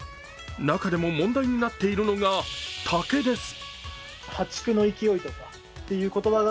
中でも問題になっているのが、竹です。